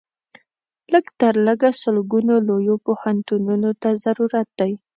لږ تر لږه سلګونو لویو پوهنتونونو ته ضرورت دی.